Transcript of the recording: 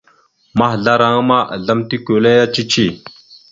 Mahəzlaraŋa ma, azlam tikweleya cici.